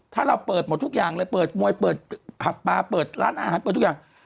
ถ้าเราเปิดหมดทุกอย่างเลยเปิดมวยเปิดผับปลาเปิดร้านอาหารเปิดทุกอย่าง